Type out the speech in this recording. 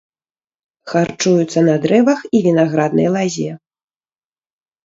Харчуюцца на дрэвах і вінаграднай лазе.